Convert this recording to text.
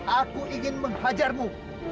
aku ingin menghajarmu